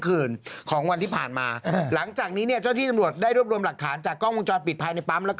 คุณแพรวดาวจากเจรมันคุชนทัก